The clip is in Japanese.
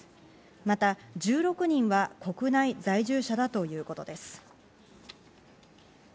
また１６人は国内在住者だということです。